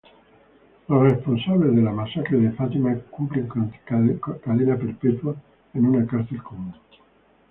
Los responsables de la masacre de Fátima cumplen cadena perpetua en una cárcel común.